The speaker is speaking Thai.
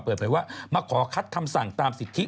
เปิดเผยว่ามาขอคัดคำสั่งตามสิทธิ